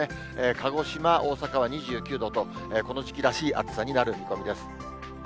鹿児島、大阪は２９度と、この時期らしい暑さになる見込みです。